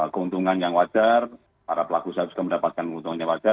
keuntungan yang wajar para pelaku suka mendapatkan keuntungannya wajar